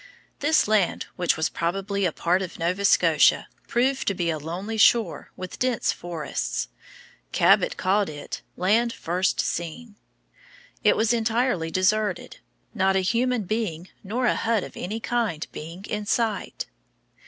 This land, which was probably a part of Nova Scotia, proved to be a lonely shore with dense forests. Cabot called it "Land First Seen." It was entirely deserted, not a human being nor a hut of any kind being in sight.